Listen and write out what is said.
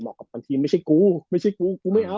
เหมาะกับการทีมไม่ใช่กูไม่ใช่กูกูไม่เอา